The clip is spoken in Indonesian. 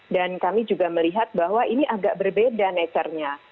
dan kami juga melihat bahwa ini agak berbeda nature nya